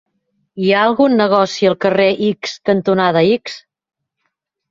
Hi ha algun negoci al carrer X cantonada X?